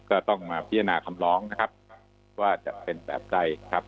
ก็ต้องมาพิจารณาคำร้องนะครับว่าจะเป็นแบบใดครับ